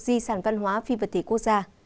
di sản văn hóa phi vật thể quốc gia